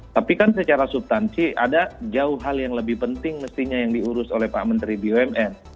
tapi kan secara subtansi ada jauh hal yang lebih penting mestinya yang diurus oleh pak menteri bumn